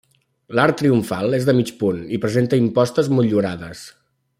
L'arc triomfal és de mig punt i presenta impostes motllurades.